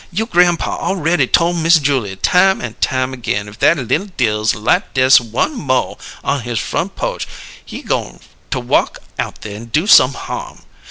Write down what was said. You' grampaw awready tole Miss Julia time an' time again if that li'l Dills light dess one mo' on his front po'che he goin' to walk out there an' do some harm!